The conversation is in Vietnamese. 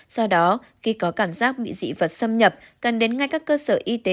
do đó khi có cảm giác bị dị vật xâm nhập cần đến ngay các cơ sở y tế